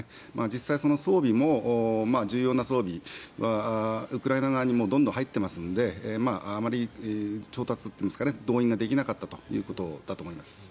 実際、装備も重要な装備はウクライナ側にどんどん入っていますのであまり調達というか動員ができなかったということだと思います。